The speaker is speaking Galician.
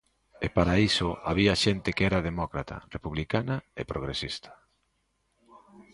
E para iso había xente que era demócrata, republicana e progresista.